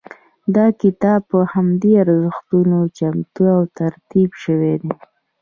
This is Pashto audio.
دا کتاب پر همدې ارزښتونو چمتو او ترتیب شوی دی.